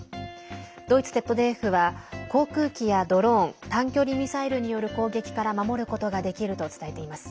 ドイツＺＤＦは航空機やドローン短距離ミサイルによる攻撃から守ることができると伝えています。